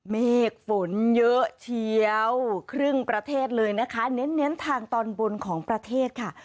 เมฆฝนเยอะเชียวครึ่งประเทศเลยนะคะเน้นทางตอนบนของประเทศค่ะ